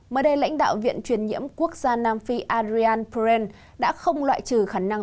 mới đây lãnh đạo viện truyền nhiễm quốc gia nam phi adrian perrin đã không loại trừ khả năng